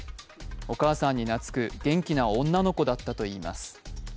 お母さんになつく、元気な女の子だったといいます。